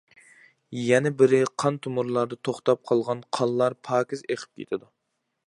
يەنە بىرى قان تومۇرلاردا توختاپ قالغان قانلار پاكىز ئېقىپ كېتىدۇ.